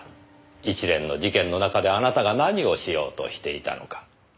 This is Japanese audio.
一連の事件の中であなたが何をしようとしていたのか。